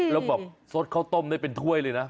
แล้วแบบสดข้าวต้มได้เป็นถ้วยเลยนะ